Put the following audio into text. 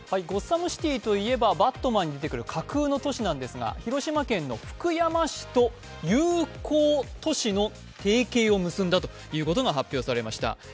ゴッサム・シティといえば、「バットマン」に出てくる架空の都市なんですが、広島県の福山市と友好都市の提携を結んだことが発表されました。